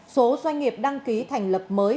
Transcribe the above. số doanh nghiệp đăng ký thành lập mới